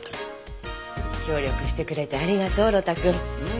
協力してくれてありがとう呂太くん。